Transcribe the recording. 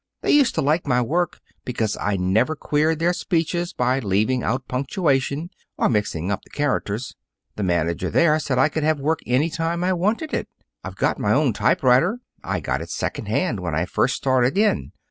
They used to like my work because I never queered their speeches by leaving out punctuation or mixing up the characters. The manager there said I could have work any time I wanted it. I've got my own typewriter. I got it second hand when I first started in.